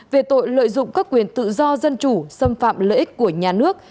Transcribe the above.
về tội lợi dụng các quyền tự do dân chủ xâm phạm lợi ích của nhà nước